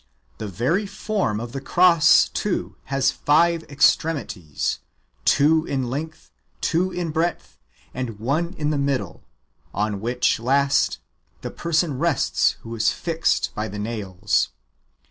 The very form of the cross, too, has five extremities,^ two in length, two in breadth, and one in the middle, on which [last] the person rests who is fixed by the nails.